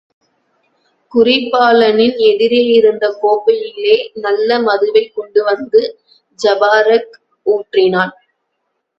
குறிப்பாளனின் எதிரேயிருந்த கோப்பையிலே நல்ல மதுவைக் கொண்டுவந்து ஜபாரக் ஊற்றினான்.